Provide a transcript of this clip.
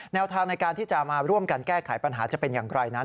ทางในการที่จะมาร่วมกันแก้ไขปัญหาจะเป็นอย่างไรนั้น